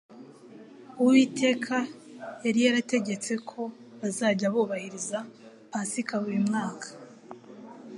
Uwiteka yari yarategetse ko bazajya bubahiriza Pasika buri mwaka.